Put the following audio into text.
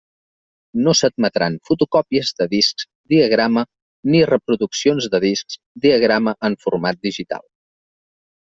No s'admetran fotocòpies de discs diagrama ni reproduccions de discs diagrama en format digital.